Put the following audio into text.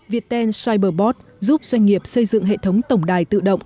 viettel cyberbot giúp doanh nghiệp xây dựng hệ thống tổng đài tự động